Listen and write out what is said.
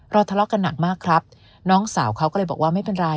ทะเลาะกันหนักมากครับน้องสาวเขาก็เลยบอกว่าไม่เป็นไร